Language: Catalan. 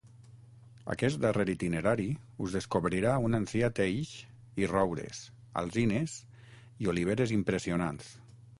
Aquest darrer itinerari us descobrirà un ancià teix i roures, alzines i oliveres impressionants.